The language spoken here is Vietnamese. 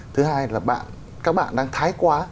thứ hai là các bạn đang thái quá